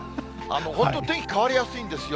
本当、天気変わりやすいんですよ。